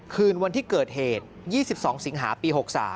คืนวันที่เกิดเหตุ๒๒สิงหาปี๖๓